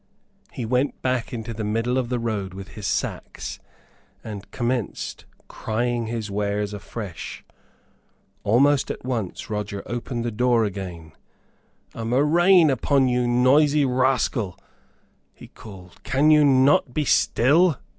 He went back into the middle of the road with his sacks, and commenced crying his wares afresh. Almost at once Roger opened the door again. "A murrain upon you, noisy rascal," he called; "can you not be still?"